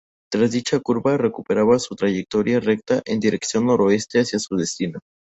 Tras dicha curva, recuperaba su trayectoria recta en dirección noroeste hacia su destino.